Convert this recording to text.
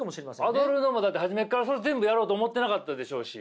アドルノもだって初めから全部やろうと思ってなかったでしょうし。